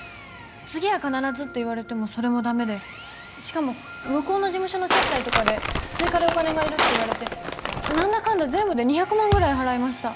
次は必ずって言われてもそれもダメでしかも向こうの事務所の接待とかで追加でお金がいるって言われて何だかんだ全部で２００万ぐらい払いました